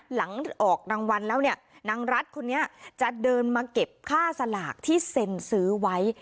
หลังออกรางวัลแล้วเนี่ยนางรัฐคนนี้จะเดินมาเก็บค่าสลากที่เซ็นซื้อไว้